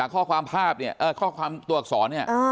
ข้อความภาพเนี่ยข้อความตัวอักษรเนี่ย